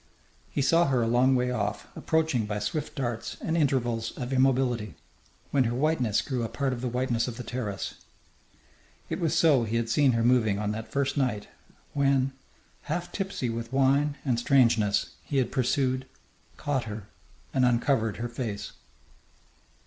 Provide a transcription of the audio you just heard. He saw her a long way off, approaching by swift darts and intervals of immobility, when her whiteness grew a part of the whiteness of the terrace. It was so he had seen her moving on that first night when, half tipsy with wine and strangeness, he had pursued, caught her, and uncovered her face.